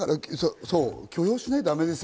許容しないとだめですよ。